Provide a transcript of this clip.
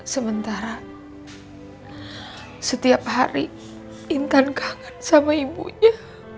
sementara setiap hari intan kangen sama ibunya